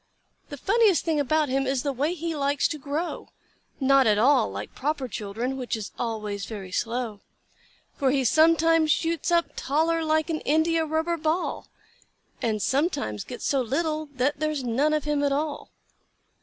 The funniest thing about him is the way he likes to grow— Not at all like proper children, which is always very slow; For he sometimes shoots up taller like an india rubber ball, And he sometimes gets so little that there's none of him at all.